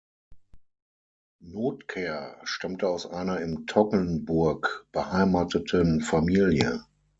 Notker stammte aus einer im Toggenburg beheimateten Familie.